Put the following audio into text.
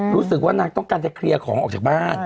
รู้สึกว่านางต้องการจะเคลียร์ของออกจากบ้าน